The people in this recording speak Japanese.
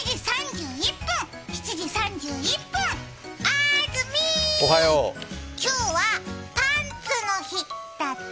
あーずみー、今日はパンツの日だって。